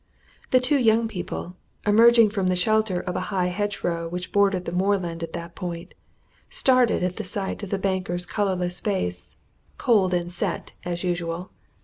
The two young people, emerging from the shelter of a high hedgerow which bordered the moorland at that point, started at sight of the banker's colourless face, cold and set as usual.